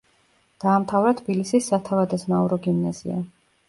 დაამთავრა თბილისის სათავადაზნაურო გიმნაზია.